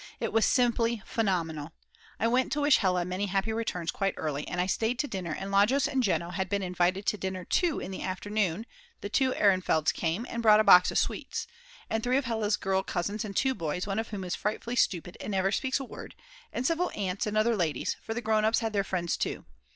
It was simply phenomenal! I went to wish Hella many happy returns quite early, and I stayed to dinner and Lajos and Jeno had been invited to dinner too in the afternoon the 2 Ehrenfelds came and brought a box of sweets, and 3 of Hella's girl cousins and two boys, one of whom is frightfully stupid and never speaks a word, and several aunts and other ladies, for the grown ups had their friends too.